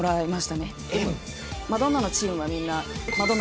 マドンナのチームはみんな。